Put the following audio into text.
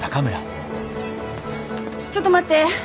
ちょっと待って。